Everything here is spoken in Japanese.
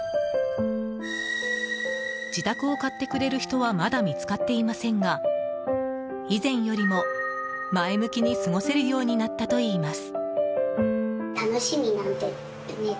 自宅を買ってくれる人はまだ見つかっていませんが以前よりも前向きに過ごせるようになったといいます。